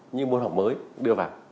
như môn học mới đưa vào